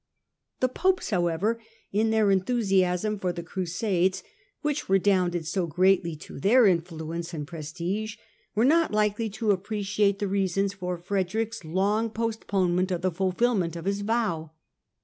The Popes, however, in their enthusiasm for the Cru sades, which redounded so greatly to their influence and prestige, were not likely to appreciate the reasons for Frederick's long postponement of the fulfilment of his vow.